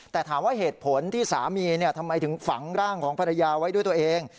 แต่ถามว่าเหตุผลที่สามีทำไมถึงฝังร่างของภรรยาไว้ด้วยตัวเอง